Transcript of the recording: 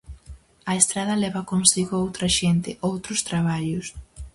A estrada leva consigo outra xente, outros traballos.